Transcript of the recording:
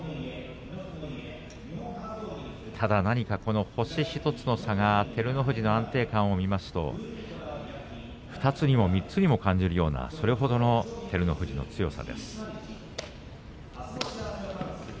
ただ何か星１つの差が照ノ富士の安定感を見ますと２つにも３つにも感じるようなそれほどの照ノ富士の強さです。